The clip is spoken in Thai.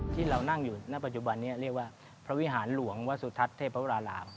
ที่เรานั่งอยู่ณปัจจุบันนี้เรียกว่าพระวิหารหลวงวสุทัศน์เทพวราราม